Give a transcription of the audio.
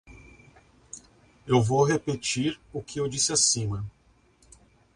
Eu vou repetir aqui o que eu disse acima.